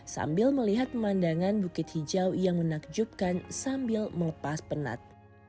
sambil melihat pemandangan bukit hijau yang menakjubkan sambil melepas penat